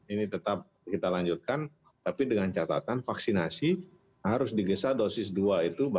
ini tetap kita lanjutkan tapi dengan catatan vaksinasi harus digesa dosis dua itu